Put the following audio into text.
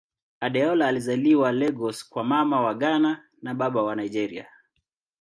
Adeola alizaliwa Lagos kwa Mama wa Ghana na Baba wa Nigeria.